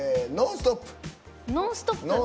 「ノンストップ」。